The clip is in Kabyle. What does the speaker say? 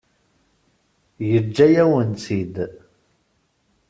Yeǧǧa-yawen-tt-id.